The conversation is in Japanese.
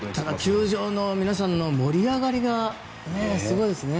球場の皆さんの盛り上がりがすごいですね。